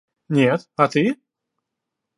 Нет, а ты?